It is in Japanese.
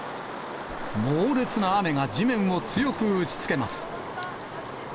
猛烈な雨が地面を強く打ちつけます。